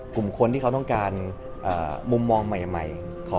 กลุ่มคนที่เขาต้องการมุมมองใหม่